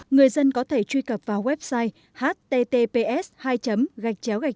người dân có thể truy cập vào website https hai gachchao ncovi vn